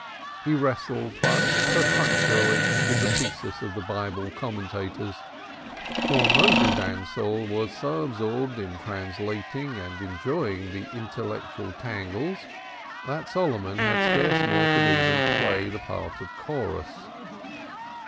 He wrestled but perfunctorily with the theses of the Bible commentators, for Moses Ansell was so absorbed in translating and enjoying the intellectual tangles, that Solomon had scarce more to do than to play the part of chorus.